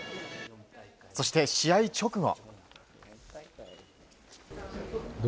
そして、試合直後。